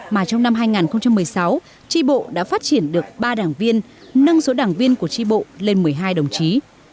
mà trong năm hai nghìn một mươi sáu tri bộ đã phát triển được ba đảng viên nâng số đảng viên của tri bộ lên một mươi hai đồng chí